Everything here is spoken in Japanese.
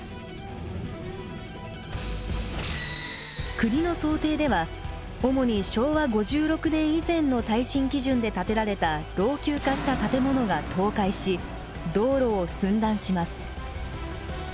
国の想定では主に昭和５６年以前の耐震基準で建てられた老朽化した建物が倒壊し道路を寸断します。